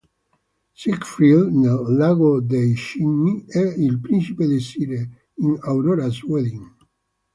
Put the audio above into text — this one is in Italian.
Siegfried nel "Lago dei cigni" e il principe Désiré in "Aurora's Wedding".